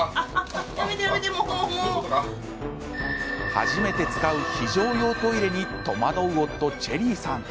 初めて使う非常用トイレに戸惑う夫、チェリーさん。